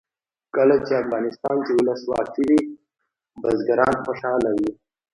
کله چې افغانستان کې ولسواکي وي بزګران خوشحاله وي.